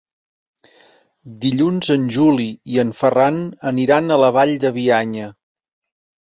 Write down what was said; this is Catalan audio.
Dilluns en Juli i en Ferran aniran a la Vall de Bianya.